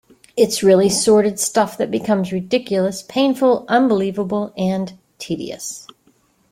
It's really sordid stuff that becomes ridiculous, painful, unbelievable and tedious.